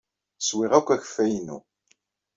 Swiɣ akk akeffay-inu.